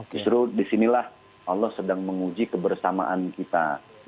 justru disinilah allah sedang menguji kebersamaan kita